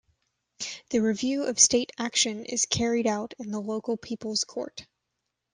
The review of state action is carried out in the local people's court.